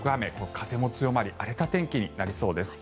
風も強まり荒れた天気になりそうです。